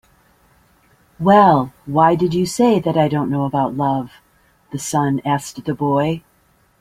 "Well, why did you say that I don't know about love?" the sun asked the boy.